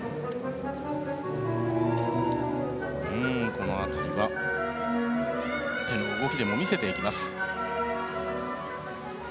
この辺りは動きでも見せていきます。